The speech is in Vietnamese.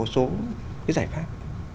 số giải pháp